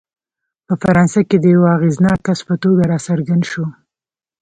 په فرانسه کې د یوه اغېزناک کس په توګه راڅرګند شو.